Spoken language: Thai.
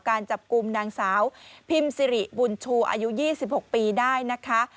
การจับกลุ่มนางสาวพิมสิริบุญชูอายุ๒๖ปีได้นะคะ